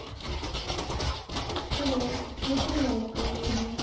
黒１３の六取り。